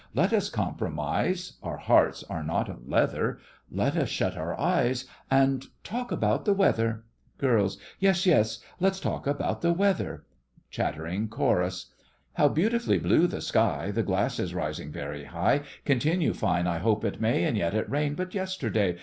Let us compromise (Our hearts are not of leather): Let us shut our eyes And talk about the weather. GIRLS: Yes, yes, let's talk about the weather. Chattering chorus How beautifully blue the sky, The glass is rising very high, Continue fine I hope it may, And yet it rained but yesterday.